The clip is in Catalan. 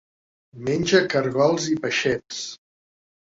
Menja caragols i peixets.